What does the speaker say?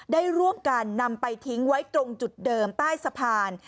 ได้ร่วมกันนำไปทิ้งไว้ตรงจุดเดิมใต้สะพาน